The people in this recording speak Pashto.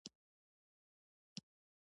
راکټ د پوهې، ځواک او عمل نښان دی